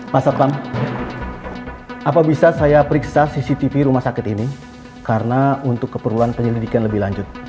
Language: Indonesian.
pak satpam apa bisa saya periksa cctv rumah sakit ini karena untuk keperluan penyelidikan lebih lanjut